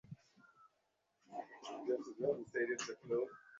আলো হাতে সকলের আগে আগে সে যাইতেছিল।